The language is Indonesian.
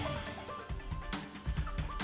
tentang aksi superdamai